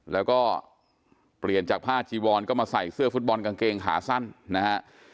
แล้วก็เปลี่ยนจากผ้าจีวอนก็มาใส่เสื้อฟุตบอลกางเกงขาสั้นนะฮะ